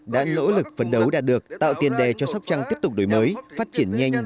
đã nỗ lực phấn đấu đạt được tạo tiền đề cho sóc trăng tiếp tục đổi mới phát triển nhanh